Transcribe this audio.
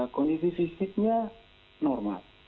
kondisi fisiknya normal